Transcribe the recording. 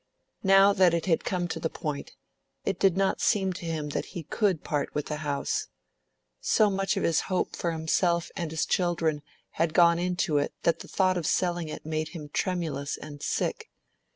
Now that it had come to the point, it did not seem to him that he could part with the house. So much of his hope for himself and his children had gone into it that the thought of selling it made him tremulous and sick.